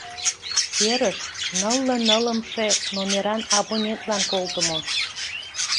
Серыш — нылле нылымше номеран абонентлан колтымо.